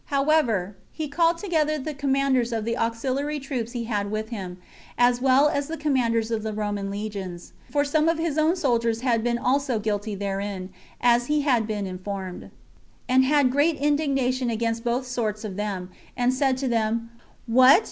However, he called together the commanders of the auxiliary troops he had with him, as well as the commanders of the Roman legions, [for some of his own soldiers had been also guilty herein, as he had been informed,] and had great indignation against both sorts of them, and said to them, "What!